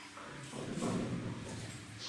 আমাদের কতদিন অপেক্ষা করতে হবে?